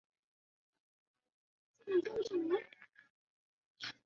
六朝小说开导笔记小说的先路。